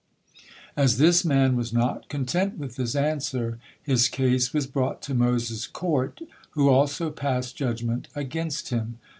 As this man was not content with this answer, his case was brought to Moses' court, who also passed judgement against him.